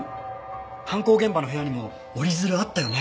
犯行現場の部屋にも折り鶴あったよね？